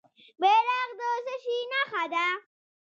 بیرغ د څه شي نښه ده؟